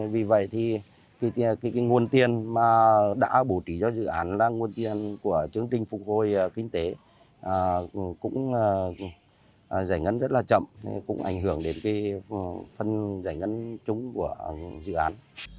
vì vậy thì nguồn tiền mà đã bổ trí cho dự án là nguồn tiền của chương trình phục hồi kinh tế cũng giải ngân rất là chậm cũng ảnh hưởng đến phần giải ngân chúng của dự án